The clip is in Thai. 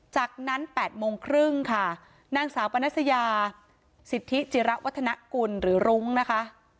จากนั้น๘โมงครึ่งค่ะนางสาวปนัสยาสิทธิจิระวัฒนกุลหรือรุ้งนะคะ